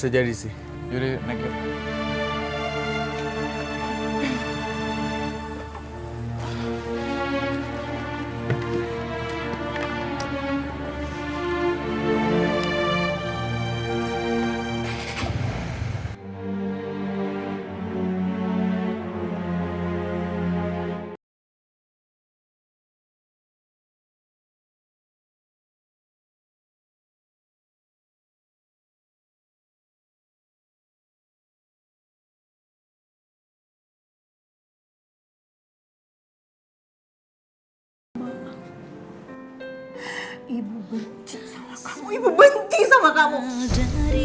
jauh lebih dari dua meter